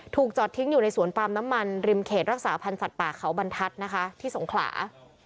จอดทิ้งอยู่ในสวนปาล์มน้ำมันริมเขตรักษาพันธ์สัตว์ป่าเขาบรรทัศน์นะคะที่สงขลา